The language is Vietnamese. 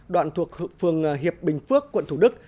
đoạn thuộc phường hiệp bình phước quận thủ đức